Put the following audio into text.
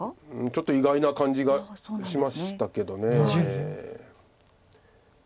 ちょっと意外な感じがしましたけど。